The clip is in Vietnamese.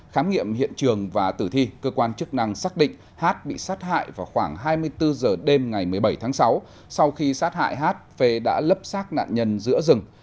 khám nghiệm hiện trường và tử thi cơ quan chức năng xác định hát bị sát hại vào khoảng hai mươi bốn h đêm ngày một mươi bảy tháng sáu sau khi sát hại hát phê đã lấp xác nạn nhân giữa rừng